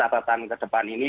dapatan ke depan ini